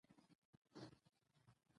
ژبه زموږ د تاریخي ارزښتونو خزانه ده.